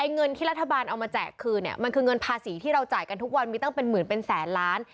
เงินที่รัฐบาลเอามาแจกคืนเนี่ยมันคือเงินภาษีที่เราจ่ายกันทุกวันมีตั้งเป็นหมื่นเป็นแสนล้าน